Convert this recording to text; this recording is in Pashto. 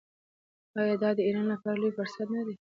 آیا دا د ایران لپاره لوی فرصت نه دی؟